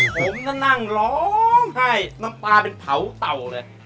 ผมก็นั่งร้องไห้น้ำปลาเป็นเผาเต่าเลย